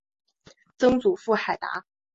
曾祖父海达。